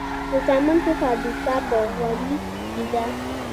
د سمنټو فابریکه په غوري کې ده